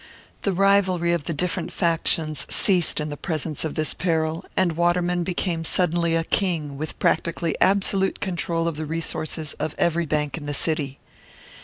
The rivalry of the different factions ceased in the presence of this peril; and Waterman became suddenly a king, with practically absolute control of the resources of every bank in the city.